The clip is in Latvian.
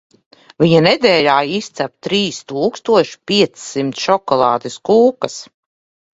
Viņa nedēļā izcep trīs tūkstoš piecsimt šokolādes kūkas.